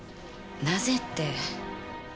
なぜって。